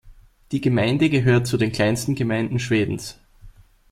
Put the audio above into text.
Die Gemeinde gehört zu den kleinsten Gemeinden Schwedens.